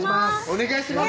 お願いします